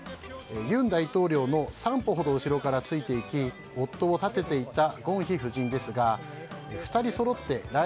尹大統領の３歩ほど後ろからついていき夫を立てていたゴンヒ夫人ですが２人そろって来